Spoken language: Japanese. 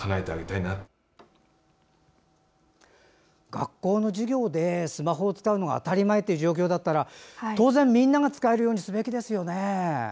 学校の授業でスマホを使うのが当たり前という状況だったら当然、みんなが使えるようにすべきですよね。